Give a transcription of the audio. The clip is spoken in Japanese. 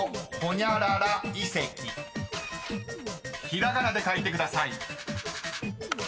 ［ひらがなで書いてください］